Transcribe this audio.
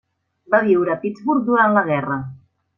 Va viure a Pittsburgh durant la guerra.